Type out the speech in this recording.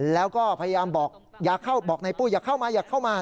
แล้วก็พยายามบอกอย่าเข้าบอกนายปุ้ยอย่าเข้ามา